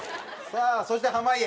さあそして濱家